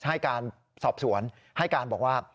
ให้การสอบสวนให้การบอกว่า